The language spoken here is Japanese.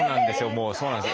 もうそうなんです。